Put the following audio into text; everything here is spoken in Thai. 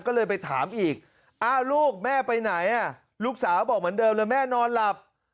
ก็เลยไปถามอีกอ้าวลูกแม่ไปไหนลูกสาวบอกเหมือนเดิมเลยแม่นอนหลับ